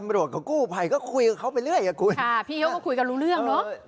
ฮะตำรวจกับกู้ไผ่ก็คุยกับเขาไปเรื่อยกับคุณค่ะพี่เอ๋วก็คุยกับรู้เรื่องเนอะ